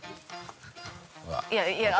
いやいやあ